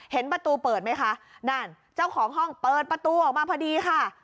เห็นประตูเปิดไหมคะนั่นเจ้าของห้องเปิดประตูออกมาพอดีค่ะ